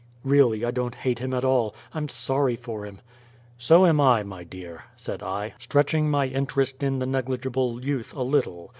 Really, I don't hate him at all. I'm sorry for him." "So am I, my dear," said I, stretching my interest in the negligible youth a little.